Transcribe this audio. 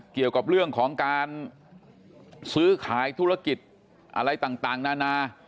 เกี่ยวกับเรื่องของการซื้อขายธุรกิจอะไรต่างนานา